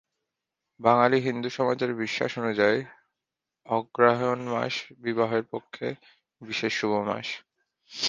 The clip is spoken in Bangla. বাঙালি হিন্দু সমাজের বিশ্বাস অনুযায়ী, অগ্রহায়ণ মাস বিবাহের পক্ষে বিশেষ শুভ মাস।